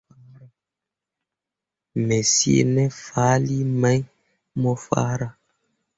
Me cii ne fahlii mai mo farah.